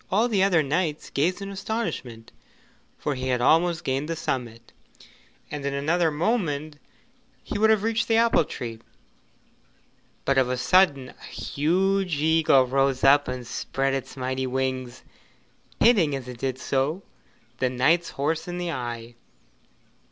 All the other knights gazed in astonishment, for he had almost gained the summit, and in another moment he would have reached the apple tree; but of a sudden a huge eagle rose up and spread its mighty wings, hitting as it did so the knight's horse in the eye.